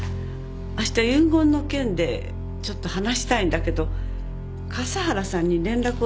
あした遺言の件でちょっと話したいんだけど笠原さんに連絡を取ってくれる？